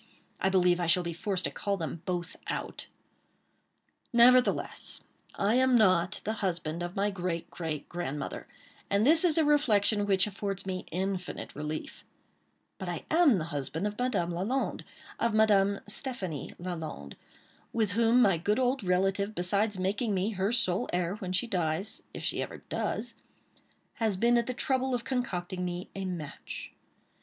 I believe I shall be forced to call them both out. Nevertheless, I am not the husband of my great, great, grandmother; and this is a reflection which affords me infinite relief;—but I am the husband of Madame Lalande—of Madame Stéphanie Lalande—with whom my good old relative, besides making me her sole heir when she dies—if she ever does—has been at the trouble of concocting me a match.